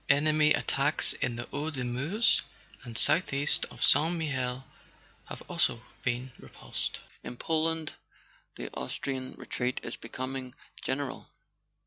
Enemy attacks in the Hauts de Meuse and southeast of Saint Mihiel have also been repulsed. "In Poland the Austrian retreat is becoming gen¬ eral.